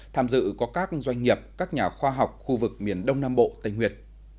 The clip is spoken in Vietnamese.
tham dự có các doanh nghiệp các nhà khoa học khu vực miền đông nam bộ tây nguyên